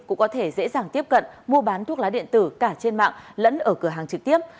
cũng có thể dễ dàng tiếp cận mua bán thuốc lá điện tử cả trên mạng lẫn ở cửa hàng trực tiếp